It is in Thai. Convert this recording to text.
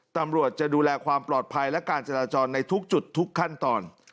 ตำรวจจะดูแลความปลอดภัยและการจราจรในทุกจุดทุกขั้นตอน